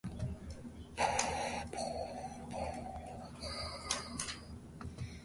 Despite Dani defeating Legion, he maintains this attitude and she leaves.